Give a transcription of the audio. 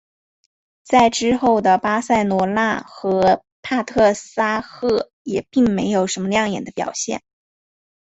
在之后的巴塞罗那和帕特沙赫也并没有什么亮眼的表现。